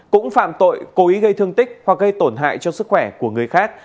cũng phạm tội cố ý gây thương tích hoặc gây tổn hại cho sức khỏe của người khác